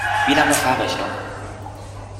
Wie lange fahre ich noch?